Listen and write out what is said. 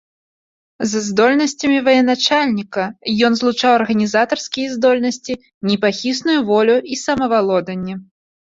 З здольнасцямі военачальніка ён злучаў арганізатарскія здольнасці, непахісную волю і самавалоданне.